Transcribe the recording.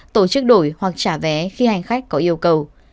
tổ chức đổi hoặc trả vé khi hành khách có yêu cầu